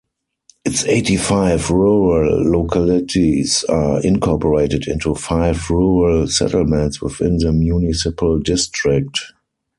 Its eighty-five rural localities are incorporated into five rural settlements within the municipal district.